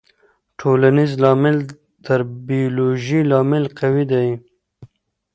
ټولنيز لامل تر بيولوژيکي لامل قوي دی.